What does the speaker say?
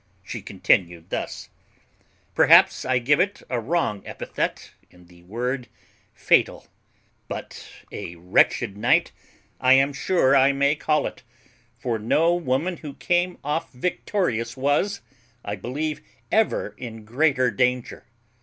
She continued thus: "Perhaps I give it a wrong epithet in the word fatal; but a wretched night I am sure I may call it, for no woman who came off victorious was, I believe, ever in greater danger.